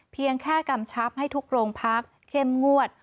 เพียงแค่กำชับให้ทุกโรงพักเข้มงวด